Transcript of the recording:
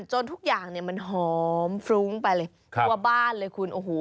จนทุกอย่างเนี่ยมันหอมฟรุ้งไปเลยทั่วบ้านเลยคุณโอ้โห